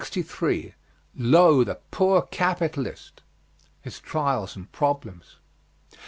LO, THE POOR CAPITALIST. His trials and problems.